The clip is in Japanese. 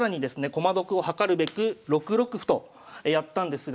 駒得を図るべく６六歩とやったんですが